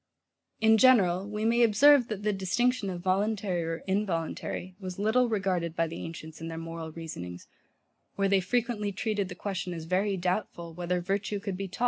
In general, we may observe, that the distinction of voluntary or involuntary was little regarded by the ancients in their moral reasonings; where they frequently treated the question as very doubtful, WHETHER VIRTUE COULD BE TAUGHT OR NOT [Vid.